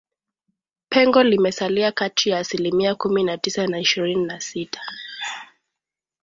Pengo limesalia kati ya asilimia kumi na tisa na ishirini na sita